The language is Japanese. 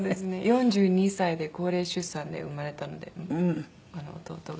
４２歳で高齢出産で生まれたので弟が。